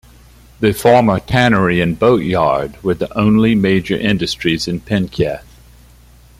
The former tannery and boatyard were the only major industries in Penketh.